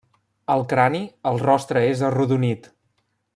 Al crani, el rostre és arrodonit.